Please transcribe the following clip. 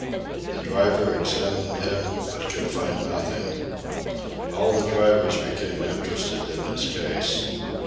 The driver examined him, but could find nothing. All the drivers became interested in his case.